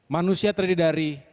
manusia terdiri dari